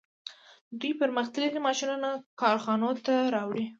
دوی پرمختللي ماشینونه کارخانو ته راوړي